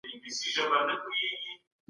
هر انسان د خپلې ټولنې استازی دی.